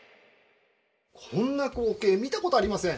こんな光景見たことありません。